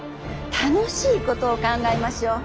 楽しいことを考えましょう。